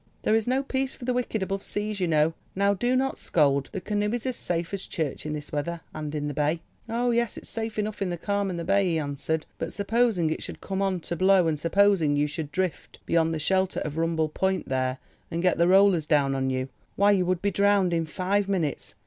There is no peace for the wicked above seas, you know. Now do not scold. The canoe is as safe as church in this weather and in the bay." "Oh, yes, it's safe enough in the calm and the bay," he answered, "but supposing it should come on to blow and supposing you should drift beyond the shelter of Rumball Point there, and get the rollers down on you—why you would be drowned in five minutes.